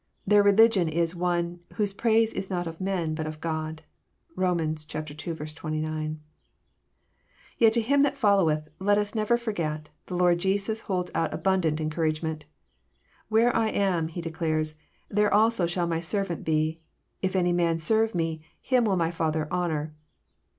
Their religion is one, " whose praise is not of men, blit of God." (Rom. ii. 29.) Yet to him that followeth, let us never forget, the Lord Jesus holds out abundant encouragement :^^ Where I am," He declares, " there also shall my servant be ; if any man serve Me, him will my Father honour."